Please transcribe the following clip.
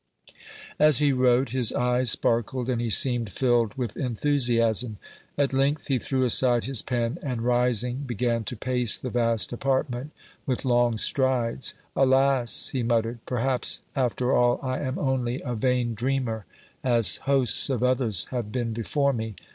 As he wrote his eyes sparkled and he seemed filled with enthusiasm. At length he threw aside his pen, and rising began to pace the vast apartment with long strides. "Alas!" he muttered, "perhaps after all I am only a vain dreamer, as hosts of others have been before me.